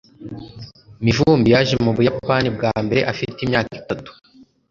Mivumbi yaje mu Buyapani bwa mbere afite imyaka itatu.